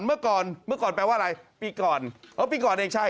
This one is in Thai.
เมื่อก่อนเมื่อก่อนแปลว่าอะไรปีก่อนเออปีก่อนเองใช่